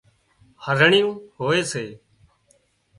هرڻيئيون هوئي سي